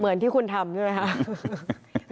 เหมือนที่คุณทำใช่ไหมครับ